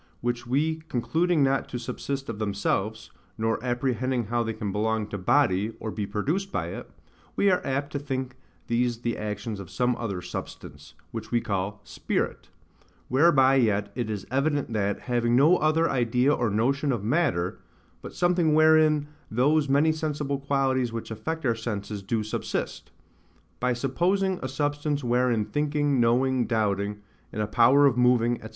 which we concluding not to subsist of themselves, nor apprehending how they can belong to body, or be produced by it, we are apt to think these the actions of some other SUBSTANCE, which we call SPIRIT; whereby yet it is evident that, having no other idea or notion of matter, but something wherein those many sensible qualities which affect our senses do subsist; by supposing a substance wherein thinking, knowing, doubting, and a power of moving, &c.